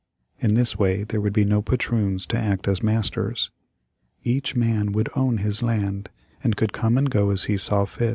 In this way there would be no patroons to act as masters. Each man would own his land, and could come and go as he saw fit.